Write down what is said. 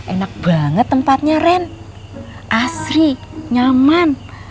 enak banget tempatnya ren asri nyaman